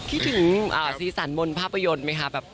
คิดถึงสีสันมนต์ภาพยนต์ไหมครับ